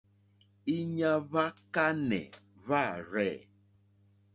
Íɲá hwá kánɛ̀ hwârzɛ̂.